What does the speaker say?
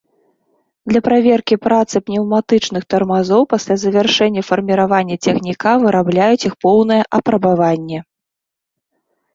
Для праверкі працы пнеўматычных тармазоў пасля завяршэння фарміравання цягніка вырабляюць іх поўнае апрабаванне.